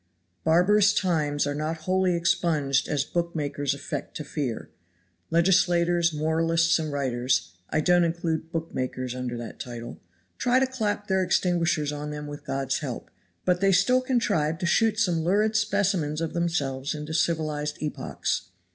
Barbarous times are not wholly expunged as book makers affect to fear. Legislators, moralists and writers (I don't include book makers under that title) try to clap their extinguishers on them with God's help; but they still contrive to shoot some lurid specimens of themselves into civilized epochs.